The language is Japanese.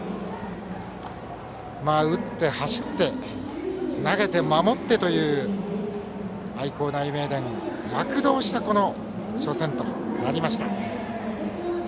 打って、走って投げて、守ってという愛工大名電が躍動したこの初戦となりました。